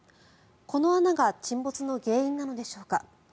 この穴が沈没の原因なのでしょうか。